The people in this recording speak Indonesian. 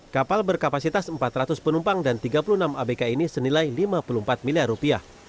kapal berkapasitas empat ratus penumpang dan tiga puluh enam abk ini senilai lima puluh empat miliar rupiah